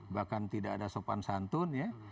bahkan tidak ada sopan santun ya